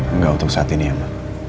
enggak untuk saat ini emma